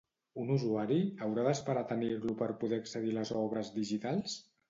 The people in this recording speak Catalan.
Un usuari haurà d'esperar a tenir-lo per poder accedir a les obres digitals?